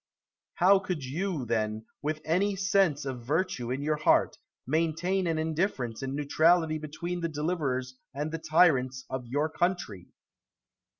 How could you, then, with any sense of virtue in your heart, maintain an indifference and neutrality between the deliverers and the tyrants of your country?